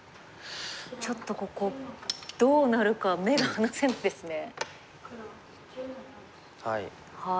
ちょっとここどうなるか目が離せないですね。